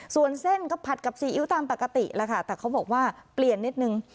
ส่วนเส้นก็ผัดกับซีอิ๊วตามปกติแล้วค่ะแต่เขาบอกว่าเปลี่ยนนิดนึง